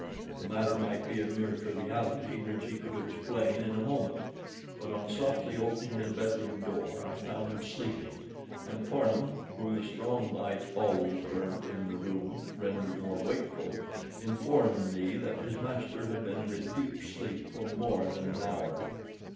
The matter might be a mere triviality which he could explain in a moment. But on softly opening his bedroom door I found him sleeping, and Parnham (whom the strong light always burnt in the room rendered more wakeful) informed me that his master had been in a deep sleep for more than an hour.